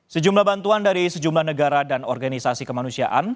sejumlah bantuan dari sejumlah negara dan organisasi kemanusiaan